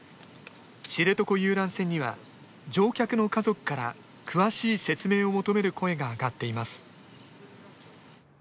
知床遊覧船には、乗客の家族から詳しい説明を求める声が上がっています。